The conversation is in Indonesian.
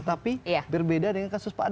tapi berbeda dengan kasus pak anies